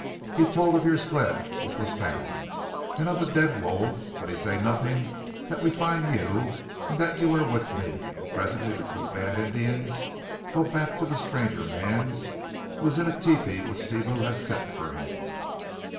He told of your sled which was found, and of ze dead wolves, but he say nodings dat we find you an' dat you are with me; and presently the two bad Indians go back to the stranger mans who is in a tepee which Sibou has set for him.